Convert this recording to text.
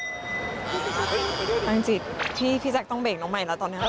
ตั้งจิตที่พี่แจ็คต้องเบ่งลงใหม่แล้วตอนนี้